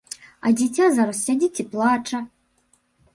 А дзіця зараз сядзіць і плача!